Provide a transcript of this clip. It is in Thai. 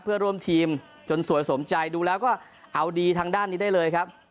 เพื่อร่วมทีมจนสวยสมใจดูแล้วก็เอาดีทางด้านนี้ได้เลยครับ